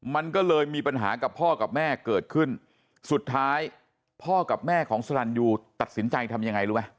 มันก็เลยมีปัญหากับพ่อกับแม่เกิดขึ้นสุดท้ายพ่อกับแม่ของสลันยูตัดสินใจทำยังไงรู้ไหม